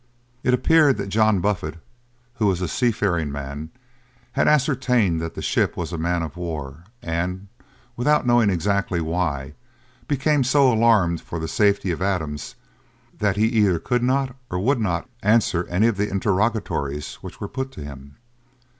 It appeared that John Buffet, who was a sea faring man, had ascertained that the ship was a man of war, and, without knowing exactly why, became so alarmed for the safety of Adams, that he either could not or would not answer any of the interrogatories which were put to him.